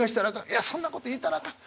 いやそんなこと言うたらあかん。